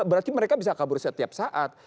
berarti mereka bisa kabur setiap saat